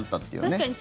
確かに。